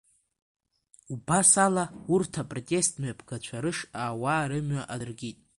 Убас ала урҭ апротест мҩаԥгацәа рышҟа ауаа рымҩа адыркит.